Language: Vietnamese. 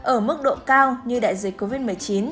ở mức độ cao như đại dịch covid một mươi chín